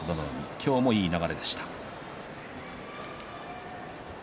今日もいい流れでした。